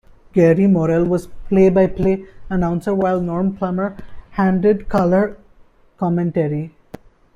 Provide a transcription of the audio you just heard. Gary Morrel was play-by-play announcer while Norm Plummer handled color commentary.